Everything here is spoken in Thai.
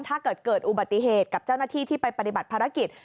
ถ้าเกิดเกิดอุบัติเหตุกับเจ้าหน้าที่ที่ไปปฏิบัติภารกิจ